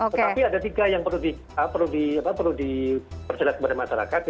tetapi ada tiga yang perlu diperjelas kepada masyarakat